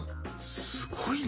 すごいね。